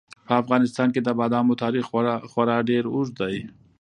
په افغانستان کې د بادامو تاریخ خورا ډېر اوږد دی.